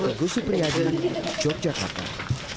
ya cuma mencari kerjaan lah